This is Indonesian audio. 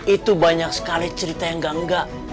itu banyak sekali cerita yang gak